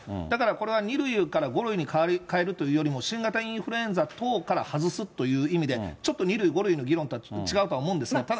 だからこれは２類から５類に変えるというよりも新型インフルエンザ等から外すという意味で、ちょっと２塁、５類という議論とはちょっと違うとは思うんですが。